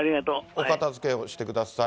お片づけをしてください。